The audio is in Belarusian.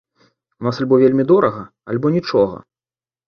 У нас альбо вельмі дорага, альбо нічога.